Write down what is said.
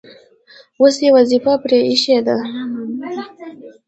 اوس یې وظیفه پرې ایښې ده.